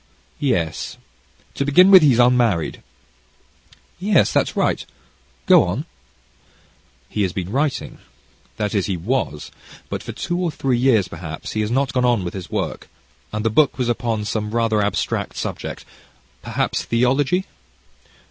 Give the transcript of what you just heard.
"Yes, to begin with, he's unmarried." "Yes, that's right go on." "He has been writing, that is he was, but for two or three years perhaps, he has not gone on with his work, and the book was upon some rather abstract subject perhaps theology."